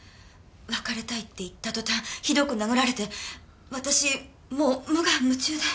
別れたいって言った途端ひどく殴られて私もう無我夢中で。